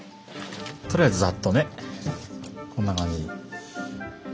とりあえずざっとねこんな感じ。